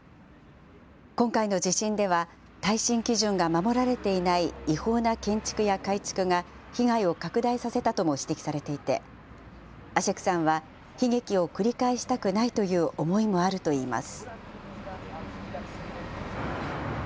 今回の地震では、耐震基準が守られていない違法な建築や改築が被害を拡大させたとも指摘されていて、アシェクさんは、悲劇を繰り返したくないという思いもあるといいます。